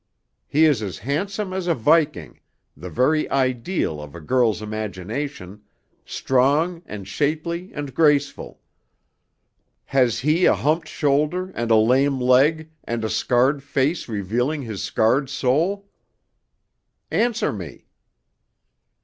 He is as handsome as a Viking, the very ideal of a girl's imagination, strong and shapely and graceful. Has he a humped shoulder and a lame leg and a scarred face revealing his scarred soul? Answer me."